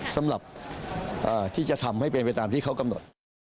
สำหรับที่จะทำให้เป็นไปตามที่เขากำหนด